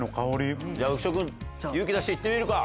浮所君勇気出して行ってみるか。